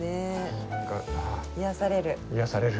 癒やされる。